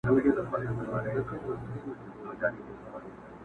له لېوه څخه پسه نه پیدا کیږي،